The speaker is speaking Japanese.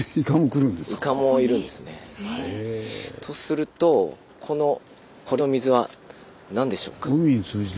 とするとこの水は何でしょうか？